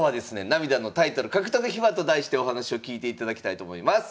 「涙のタイトル獲得秘話」と題してお話を聞いていただきたいと思います。